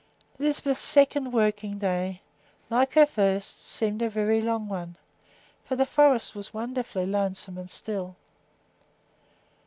Lisbeth's second working day, like her first, seemed a very long one, for the forest was wonderfully lonesome and still.